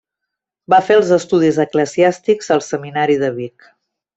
Va fer els estudis eclesiàstics al Seminari de Vic.